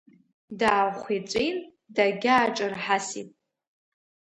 Даахәиҵәин, дагьааҿырҳасит.